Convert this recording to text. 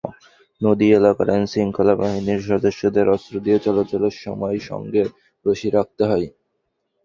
নদী এলাকার আইনশৃঙ্খলা বাহিনীর সদস্যদের অস্ত্র নিয়ে চলাচলের সময় সঙ্গে রশি রাখতে হয়।